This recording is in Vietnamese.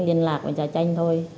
liên lạc với gia tranh thôi